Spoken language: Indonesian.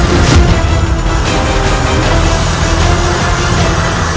aku harus menggunakan ajem pabuk kasku